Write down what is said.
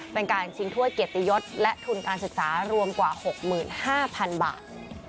เป็นการชิงถ้วยเกียรติยศและทุนการศึกษารวมกว่า๖๕๐๐๐บาท